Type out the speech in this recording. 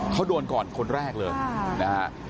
เขาโดนก่อนคนแรกเลย